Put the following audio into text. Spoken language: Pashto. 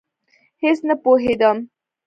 هېڅ نه پوهېدم.